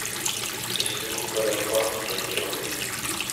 J'ai beaucoup de mal à coire qu'il a été enlevé.